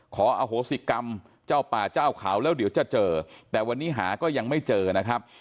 ขออโหสิกรรมเจ้าป่าเจ้าเขาแล้วเดี๋ยวจะเจอแต่วันนี้หาก็ยังไม่เจอนะครับ